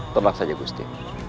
tembak saja gusti